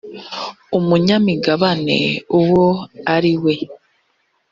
umunyamigabane uwo ari we